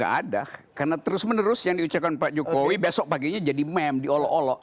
gak ada karena terus menerus yang diucapkan pak jokowi besok paginya jadi meme diolo olo